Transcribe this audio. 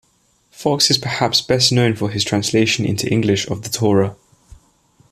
Fox is perhaps best known for his translation into English of the Torah.